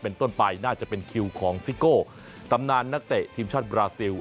เป็นต้นไปน่าจะเป็นคิวของซิโก้ตำนานนักเตะทีมชาติบราซิล